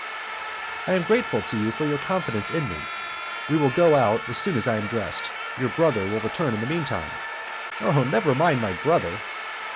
"I am grateful to you for your confidence in me. We will go out as soon as I am dressed. Your brother will return in the mean time." "Oh, never mind my brother!"